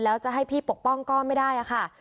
แล้วจะให้พี่ปกป้องก็ไม่ได้ค่ะ